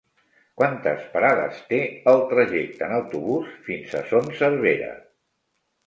Quantes parades té el trajecte en autobús fins a Son Servera?